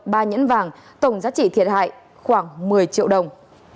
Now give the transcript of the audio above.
ba nhẫn vàng tổng giá trị thiệt hại khoảng một mươi triệu đồng